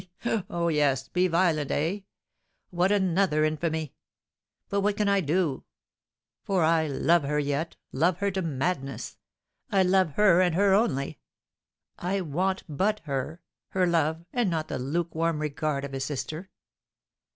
"Oh, yes, be violent, eh? What, another infamy? But what can I do? For I love her yet, love her to madness! I love her and her only! I want but her, her love, and not the lukewarm regard of a sister.